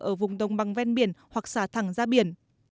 ở vùng đồng bằng ven biển hoặc xả thẳng ra biển